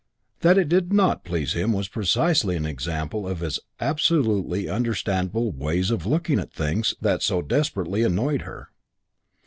That it did not please him was precisely an example of his "absolutely un understandable" ways of looking at things that so desperately annoyed her.